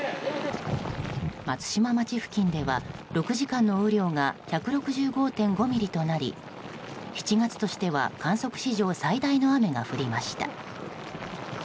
松島町付近では、６時間の雨量が１６５．５ミリとなり７月としては観測史上最大の雨が降りました。